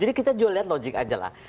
jadi kita juga lihat logic aja lah